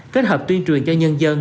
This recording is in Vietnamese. kết hợp tuyên truyền cho nhân dân